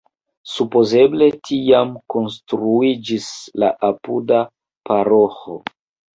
Supozeble tiam konstruiĝis la apuda paroĥo.